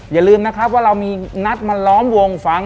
อย่าลืมนะครับว่าเรามีนัดมาล้อมวงฟัง